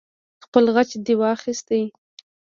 خپل غچ دې واخست.